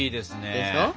でしょ？